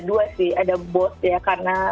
dua sih ada both ya karena